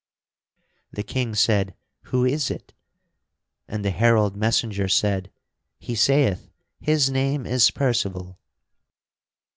The King said, "Who is it?" And the herald messenger said, "He saith his name is Percival."